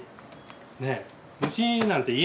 ねえ。